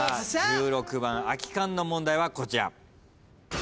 １６番空き缶の問題はこちら。